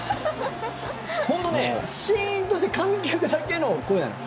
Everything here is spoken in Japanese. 本当にシーンとして観客だけの声なの。